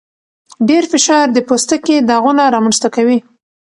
ډېر فشار د پوستکي داغونه رامنځته کوي.